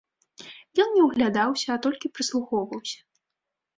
Ён не ўглядаўся, а толькі прыслухоўваўся.